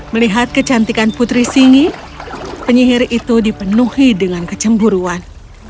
melihat kecantikan putri singi penyihir itu dipenuhi dengan kecemburuan